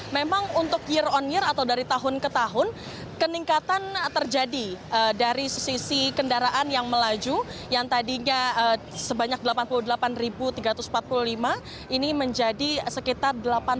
memang untuk year on year atau dari tahun ke tahun keningkatan terjadi dari sisi kendaraan yang melaju yang tadinya sebanyak delapan puluh delapan tiga ratus empat puluh lima ini menjadi sekitar delapan puluh